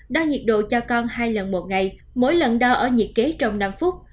đo nhiệt độ cho con hai lần một ngày mỗi lần đo ở nhiệt kế trong năm phút